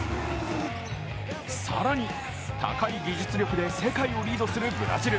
更に、高い技術力で世界をリードするブラジル。